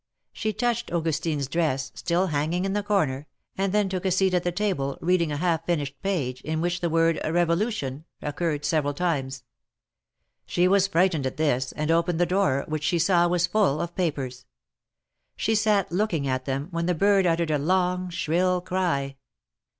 She touched Au gustine's dress, still hanging in the corner, and then took a seat at the table, reading a half finished page, in which the word Ke volution occurred several times. She was frightened at this, and opened the drawer, which she saw was full of papers. She sat looking at them, when the bird uttered a long, shrill cry.